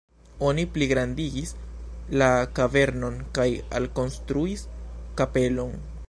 Oni pligrandigis la kavernon kaj alkonstruis kapelon.